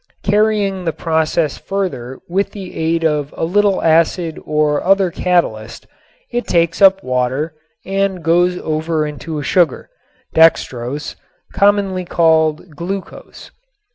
Carrying the process further with the aid of a little acid or other catalyst it takes up water and goes over into a sugar, dextrose, commonly called "glucose."